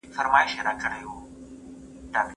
هغه په ډېرې غوسې کمپیوټر مات کړ.